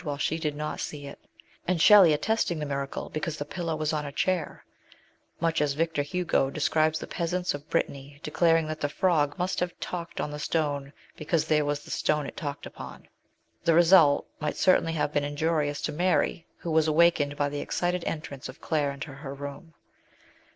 79 while she did not see it ; and Shelley attesting the miracle because the pillow was on a chair, much as Victor Hugo describes the peasants of Brittany declaring that "the frog must have talked on the stone because there was the stone it talked upon." The result might certainly have been injurious to Mary, who was awakened by the excited entrance of Claire into her room.